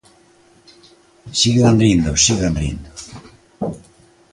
Sigan rindo, sigan rindo.